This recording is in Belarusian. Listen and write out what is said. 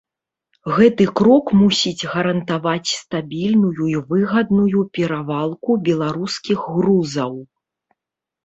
Гэты крок мусіць гарантаваць стабільную і выгадную перавалку беларускіх грузаў.